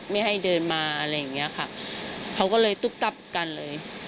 ไม่ให้เดินมาอะไรอย่างเงี้ยค่ะเขาก็เลยตุ๊กตับกันเลย